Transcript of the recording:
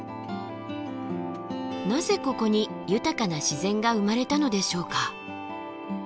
なぜここに豊かな自然が生まれたのでしょうか。